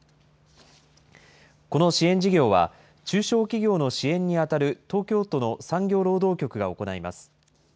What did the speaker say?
この支援事業は、中小企業の支援にあたる東京都の産業労働局が行います。